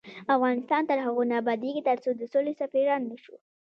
افغانستان تر هغو نه ابادیږي، ترڅو د سولې سفیران نشو.